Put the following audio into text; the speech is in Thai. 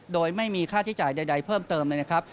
โดยไม่มีค่าใช้จ่ายใดเพิ่มเติมเลยนะครับ